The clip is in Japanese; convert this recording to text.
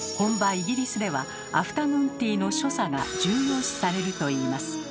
イギリスではアフタヌーンティーの所作が重要視されるといいます。